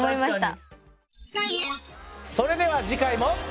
それでは次回も。